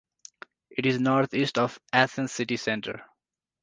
It is northeast of Athens city centre.